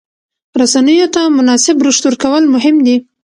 رسنیو ته مناسب رشد ورکول مهم دي.